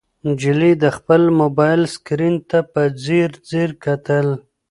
نجلۍ د خپل موبایل سکرین ته په ځیر ځیر کتل.